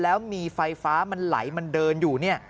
แล้วมีไฟฟ้ามันไหลมันเดินอยู่เนี่ย